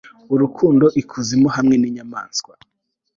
Urukundo ikuzimu hamwe ninyamaswa